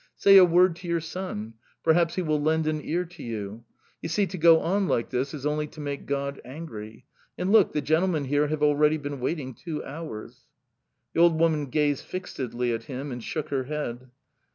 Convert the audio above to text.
"Say a word to your son perhaps he will lend an ear to you... You see, to go on like this is only to make God angry. And look, the gentlemen here have already been waiting two hours." The old woman gazed fixedly at him and shook her head.